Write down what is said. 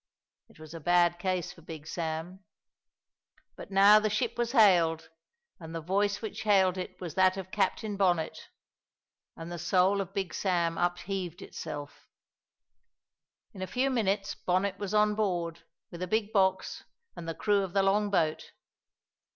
It was a bad case for Big Sam. But now the ship was hailed, and the voice which hailed it was that of Captain Bonnet. And the soul of Big Sam upheaved itself. In a few minutes Bonnet was on board, with a big box and the crew of the long boat.